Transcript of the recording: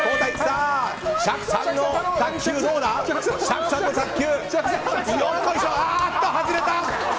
あーっと、外れた！